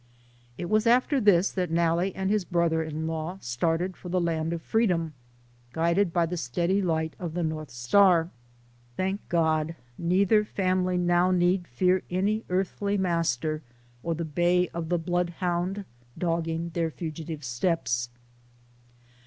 It was after this that Nalle and his brother in law started for the land of freedom, guided by the steady light of the north star. Thank God, neither family now need fear any earthly master or the bay of the blood hound dogging their fugitive steps.